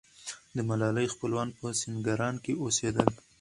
د ملالۍ خپلوان په سینګران کې اوسېدل.